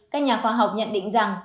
các nhà khoa học nhận định rằng